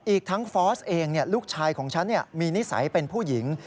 อีกทั้งฟอร์สเองเนี่ยลูกชายของฉันเนี่ยมีนิสัยเป็นผู้หญิง